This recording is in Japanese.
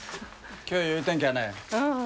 今日よい天気やね。